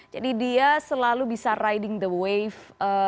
jadi dia selalu bisa riding the wave